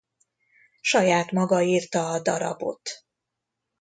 Saját maga írta a darabot.